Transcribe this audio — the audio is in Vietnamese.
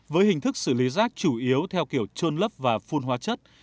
với hình thức xử lý rác chủ yếu theo kiểu trôn lấp và phun hóa chất